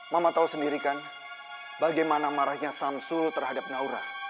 mama tahu sendiri kan bagaimana marahnya samsul terhadap naura